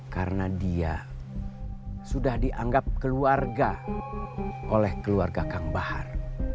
karena dia sudah dianggap keluarga oleh keluarga kang bahar